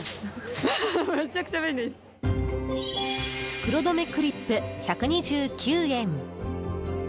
袋止めクリップ、１２９円。